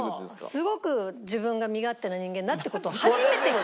すごく自分が身勝手な人間だって事を初めて。